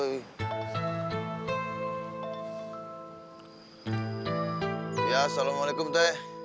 iya assalamualaikum teh